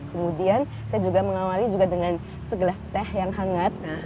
kemudian saya juga mengawali juga dengan segelas teh yang hangat